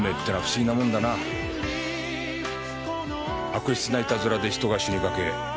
悪質ないたずらで人が死にかけ